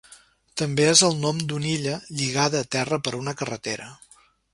També és el nom d'una illa, lligada a terra per una carretera.